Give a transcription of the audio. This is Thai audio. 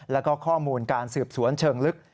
แล้วก็ข้อมูลการสืบสวนเชิงลึก